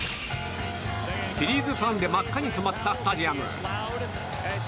フィリーズファンで真っ赤に染まったスタジアム。